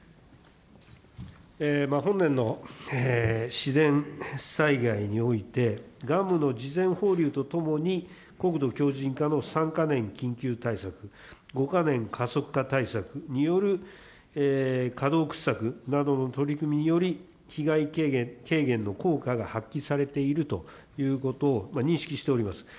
本年の自然災害において、ダムの事前放流とともに、国土強じん化の３か年緊急対策、５か年加速化対策による河道掘削などの取り組みにより、被害軽減の効果が発揮されているということを認識しております。